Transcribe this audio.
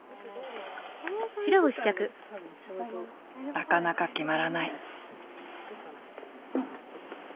なかなか決まらない。